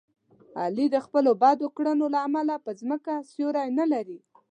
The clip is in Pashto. علي د خپلو بدو کړنو له امله په ځمکه سیوری نه لري.